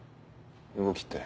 動きって？